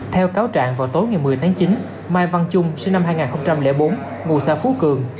theo cáo trạng vào tối ngày một mươi tháng chín mai văn trung sinh năm hai nghìn bốn ngụ xa phú cường